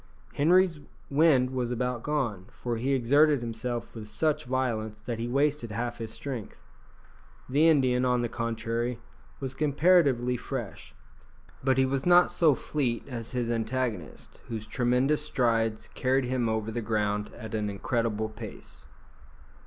Henri's wind was about gone, for he exerted himself with such violence that he wasted half his strength. The Indian, on the contrary, was comparatively fresh, but he was not so fleet as his antagonist, whose tremendous strides carried him over the ground at an incredible pace.